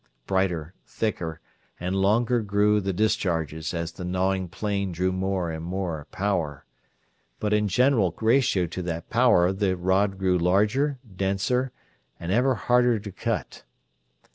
Brighter, thicker, and longer grew the discharges as the gnawing plane drew more and more power; but in direct ratio to that power the rod grew larger, denser, and ever harder to cut.